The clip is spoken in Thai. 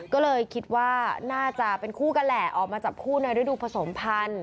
ก็เลยคิดว่าน่าจะเป็นคู่กันแหละออกมาจับคู่ในฤดูผสมพันธุ